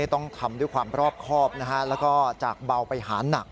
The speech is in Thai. ต้องทำด้วยความรอบครอบนะฮะแล้วก็จากเบาไปหานัก